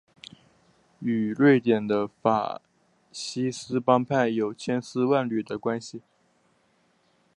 与瑞典的法西斯帮派有千丝万缕的联系。